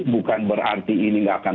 bukan berarti ini nggak akan